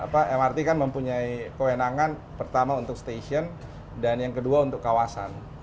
karena mrt kan mempunyai kewenangan pertama untuk stasiun dan yang kedua untuk kawasan